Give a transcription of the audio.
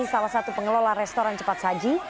salah satu pengelola restoran cepat saji